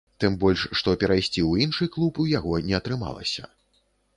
Тым больш, што перайсці ў іншы клуб у яго не атрымалася.